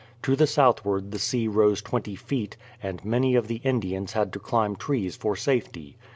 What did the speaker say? To the southv^ard the sea rose twenty feet, and many of the Indians had to chmb trees for safety.